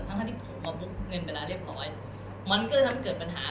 มันก็เลยทำให้เกิดปัญหา